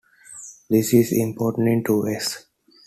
This is important in two ways.